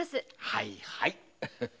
はいはい。